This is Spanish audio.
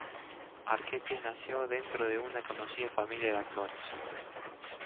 Arquette nació dentro de una conocida familia de actores.